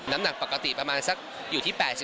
น้ำหนักปกติประมาณสักอยู่ที่๘๐